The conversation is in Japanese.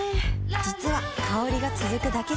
実は香りが続くだけじゃない